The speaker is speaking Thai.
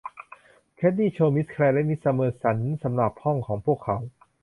แคดดี้ โชว์มิสแคลร์และมิสซัมเมอสันสำหรับห้องของพวกเขา